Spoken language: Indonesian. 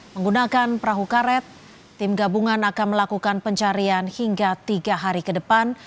menggunakan perahu karet tim gabungan akan melakukan pencarian hingga tiga hari ke depan